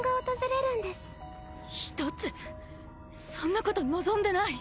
そんなこと望んでない。